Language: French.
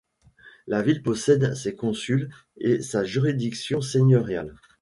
La ville possède ses consuls et sa juridiction seigneuriale.